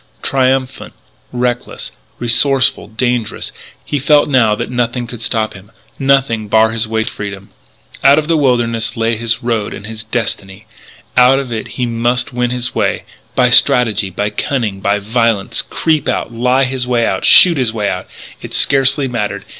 Triumphant, reckless, resourceful, dangerous, he felt that now nothing could stop him, nothing bar his way to freedom. Out of the wilderness lay his road and his destiny; out of it he must win his way, by strategy, by cunning, by violence creep out, lie his way out, shoot his way out it scarcely mattered.